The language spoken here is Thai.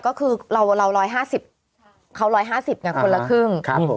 ก็คือเรา๑๕๐เขา๑๕๐ไงคนละครึ่ง